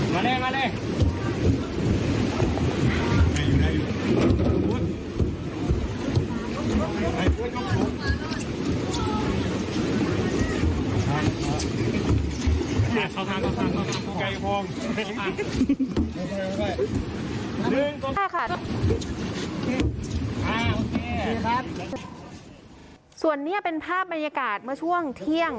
ส่วนนี้เป็นภาพบรรยากาศเมื่อช่วงเที่ยง